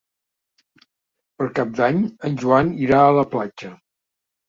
Per Cap d'Any en Joan irà a la platja.